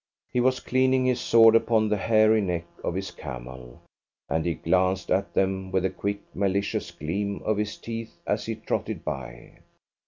He was cleaning his sword upon the hairy neck of his camel, and he glanced at them with a quick, malicious gleam of his teeth as he trotted by.